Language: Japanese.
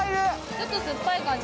ちょっと酸っぱい感じ。